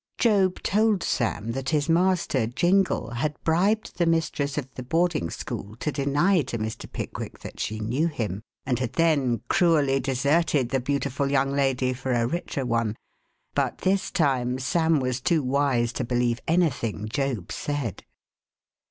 Job told Sam that his master, Jingle, had bribed the mistress of the boarding school to deny to Mr. Pickwick that she knew him, and had then cruelly deserted the beautiful young lady for a richer one. But this time Sam was too wise to believe anything Job said.